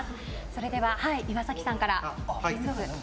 それでは岩崎さんから。